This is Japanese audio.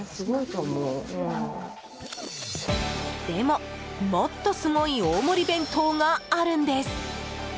でも、もっとすごい大盛り弁当があるんです。